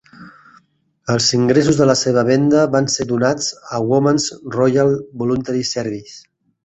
Els ingressos de la seva venda van ser donats al Women's Royal Voluntary Service.